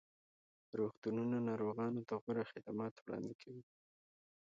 روغتونونه ناروغانو ته غوره خدمات وړاندې کوي.